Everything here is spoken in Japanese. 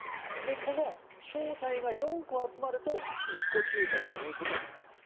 この小隊が４個集まると１個中隊ということになります。